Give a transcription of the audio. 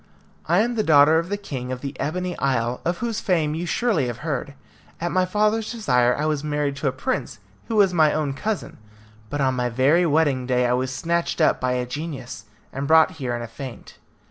I am the daughter of the king of the Ebony Isle, of whose fame you surely must have heard. At my father's desire I was married to a prince who was my own cousin; but on my very wedding day, I was snatched up by a genius, and brought here in a faint.